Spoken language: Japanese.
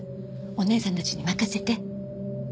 お姉さんたちに任せて。